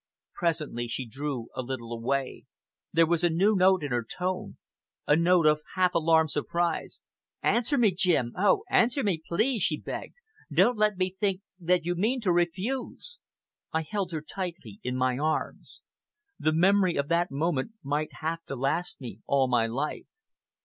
Presently she drew a little away. There was a new note in her tone a note of half alarmed surprise. "Answer me, Jim! Oh! answer me please," she begged. "Don't let me think that you mean to refuse." I held her tightly in my arms. The memory of that moment might have to last me all my life.